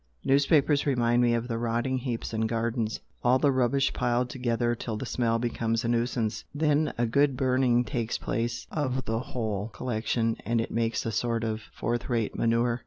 Newspapers remind me of the rotting heaps in gardens all the rubbish piled together till the smell becomes a nuisance then a good burning takes place of the whole collection and it makes a sort of fourth rate manure."